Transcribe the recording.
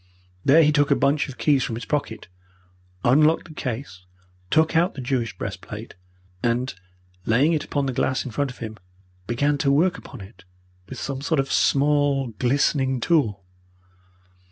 There he took a bunch of keys from his pocket, unlocked the case, took out the Jewish breastplate, and, laying it upon the glass in front of him, began to work upon it with some sort of small, glistening tool.